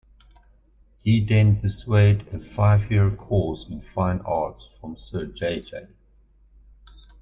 He then pursued a five-year course in Fine Arts from Sir J. J.